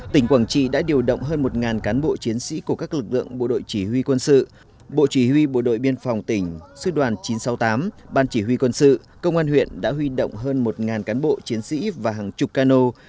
tỉnh quảng trị đã điều động hơn một cán bộ chiến sĩ của các lực lượng bộ đội chỉ huy quân sự bộ chỉ huy bộ đội biên phòng tỉnh sư đoàn chín trăm sáu mươi tám ban chỉ huy quân sự công an huyện đã huy động hơn một cán bộ chiến sĩ và hàng chục cano